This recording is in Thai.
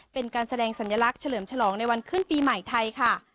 เป็นการแสดงสัญลักษณ์เฉลิมฉลองในวันขึ้นปีใหม่ไทยค่ะ